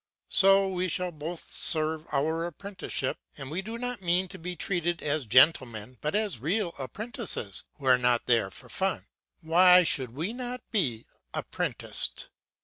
So we shall both serve our apprenticeship, and we do not mean to be treated as gentlemen, but as real apprentices who are not there for fun; why should not we actually be apprenticed?